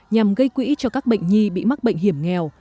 nhằm gây quỹ cho các bệnh nhi bị mắc bệnh hiểm nghèo